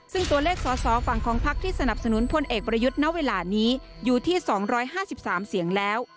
ซึ่งตัวเลขสอสอฝั่งของพักที่สนับสนุนพลเอกประยุทธ์ณเวลานี้อยู่ที่๒๕๓เสียงแล้ว